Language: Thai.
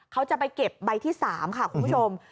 เขาจะไปเก็บใบที่๓ค่ะคุณผู้ชม